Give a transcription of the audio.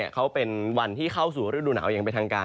เขาเป็นวันที่เข้าสู่ฤดูหนาวอย่างเป็นทางการ